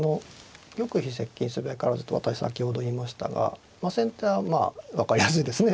「玉飛接近すべからず」と私先ほど言いましたが先手はまあ分かりやすいですね。